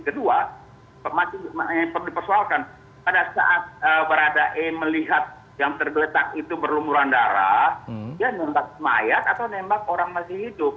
kedua masih perlu dipersoalkan pada saat berada e melihat yang tergeletak itu berlumuran darah dia nembak mayat atau nembak orang masih hidup